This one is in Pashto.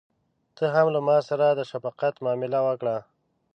ته هم له ماسره د شفقت معامله وکړه.